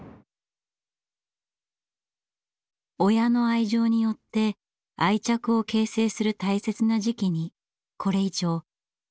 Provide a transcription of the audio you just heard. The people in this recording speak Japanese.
親の愛情によって愛着を形成する大切な時期にこれ以上病院に置いておきたくない。